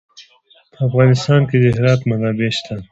په افغانستان کې د هرات منابع شته.